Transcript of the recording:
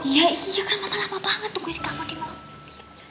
ya iya kan mama lama banget nungguin kamu di mobil